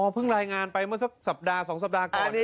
อ๋อเพิ่งรายงานไปเมื่อสักสัปดาห์สองสัปดาห์ก่อน